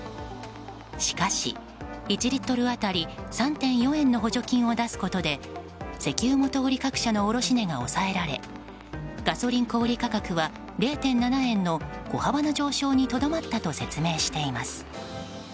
しかし、１リットル当たり３．４円の補助金を出すことで石油元売り各社の値が抑えられガソリン小売価格は０．７円の小幅の上昇にとどまったと説明しています。